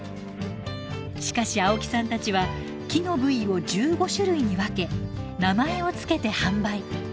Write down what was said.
しかし青木さんたちは木の部位を１５種類に分け名前を付けて販売。